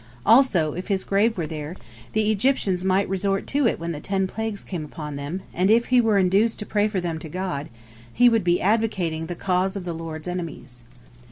Also, if his grave were there, the Egyptians might resort to it when the ten plagues came upon them, and if he were induced to pray for them to God, he would be advocating the cause of the Lord's enemies.